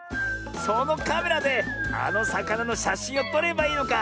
そのカメラであのさかなのしゃしんをとればいいのか。